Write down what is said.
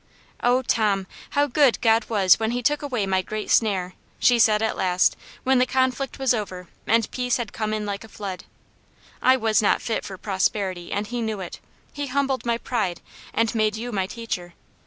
Oh, Tom, how good God was when he took away my great snare !" she said, at last, when the conflict was over and peace had come in like a flood. " I was not fit for prosperity, and He knew it. He humbled my pride, and made you my teacher